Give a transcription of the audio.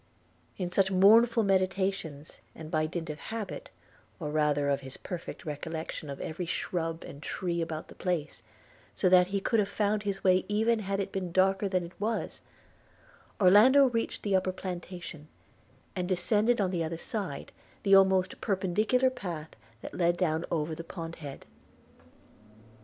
In such mournful meditations, and by dint of habit, or rather of his perfect recollection of every shrub and tree about the place, so that he could have found his way even had it been darker than it was, Orlando reached the upper plantation, and descended on the other side, the almost perpendicular path that led down over the pond head.